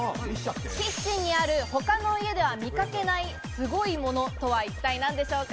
キッチンにある他の家では見かけないすごいものとは一体何でしょうか？